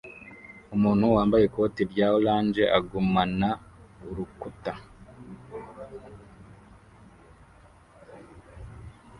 Umuntu wambaye ikoti rya orange agumana urukuta